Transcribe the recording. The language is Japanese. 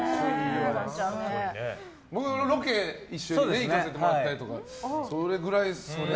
僕はロケ一緒に行かせてもらったりとかそれぐらいですかね。